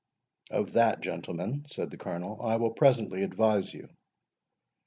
"Of that, gentlemen," said the Colonel, "I will presently advise you."